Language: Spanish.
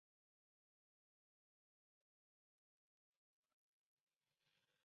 Todos los espacios y accesos, son accesibles para personas con movilidad reducida.